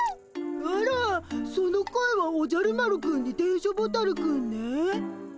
あらその声はおじゃる丸くんに電書ボタルくんね？